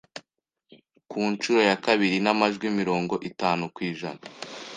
ku nshuro ya kabiri n’amajwi mirongo itanu kwijana